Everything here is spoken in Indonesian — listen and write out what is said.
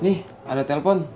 nih ada telepon